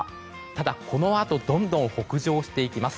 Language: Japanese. ただ、このあとどんどん北上していきます。